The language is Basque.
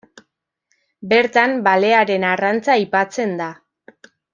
Bertan balearen arrantza aipatzen da.